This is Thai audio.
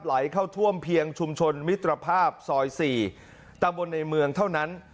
ไหลเข้าท่วมเพียงชุมชนมิตรภาพซอย๔ตำบลในเมืองเท่านั้น